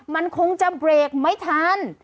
มันคงจะเบรกไม่ทัน